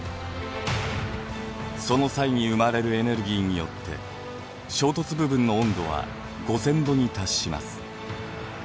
その際に生まれるエネルギーによって衝突部分の温度は５，０００度に達します。